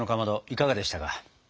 いかがでしたか？